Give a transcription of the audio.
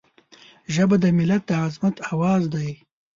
ژبه د ملت د عظمت آواز دی